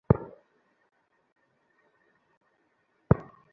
তাঁহার ইচ্ছাই কি শেষ নহে।